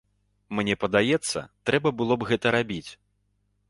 Мне падаецца, трэба было б гэта рабіць.